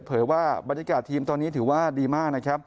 เผยว่าบรรยากาศทีมตอนนี้ถือว่าดีมาก